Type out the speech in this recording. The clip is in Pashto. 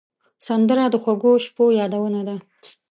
سندره د خوږو شپو یادونه ده